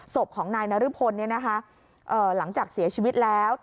ศพของนายนรพลหลังจากเสียชีวิตแล้ว